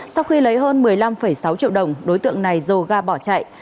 sau khi lấy hơn một mươi năm sáu triệu đồng đối tượng này dồ ga bỏ chạy